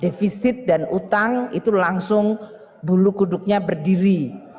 defisit dan utang itu langsung bulu kuduknya berdiri